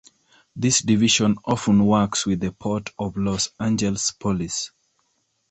This division often works with the Port of Los Angeles Police.